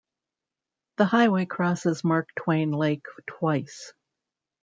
The highway crosses Mark Twain Lake twice.